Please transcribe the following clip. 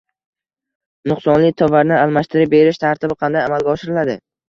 Nuqsonli tovarni almashtirib berish tartibi qanday amalga oshiriladi?